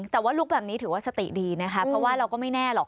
แต่ว่าลุกแบบนี้ถือว่าสติดีนะคะเพราะว่าเราก็ไม่แน่หรอก